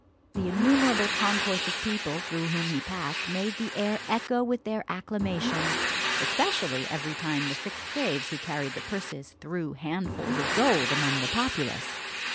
The innumerable concourse of people through whom he passed made the air echo with their acclamations, especially every time the six slaves who carried the purses threw handfuls of gold among the populace.